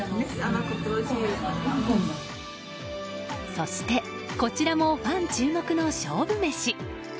そして、こちらもファン注目の勝負メシ。